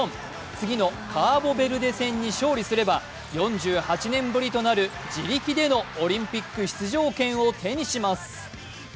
次のカーボベルデ戦に勝利すれば４８年ぶりとなる自力でのオリンピック出場権を手にします。